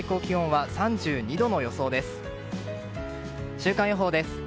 週間予報です。